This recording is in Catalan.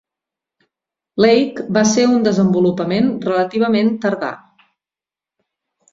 Lake va ser un desenvolupament relativament tardà.